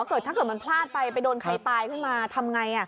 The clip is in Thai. เกิดถ้าเกิดมันพลาดไปไปโดนไข่ตายขึ้นมาทำอย่างไร